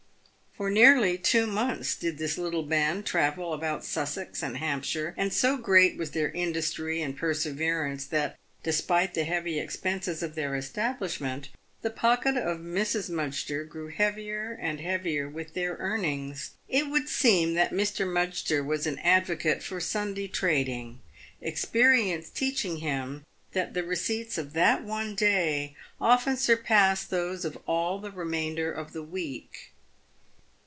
For nearly two months did this little band travel about Sussex and Hampshire, and so great was their industry and perseverance, that, despite the heavy expenses of their establishment, the pocket of Mrs. Mudgster grew heavier and heavier with their earnings. It would seem that Mr. M. was an advocate for Sunday trading, experience teaching him that the receipts of that one day often surpassed those of all the remainder of the week.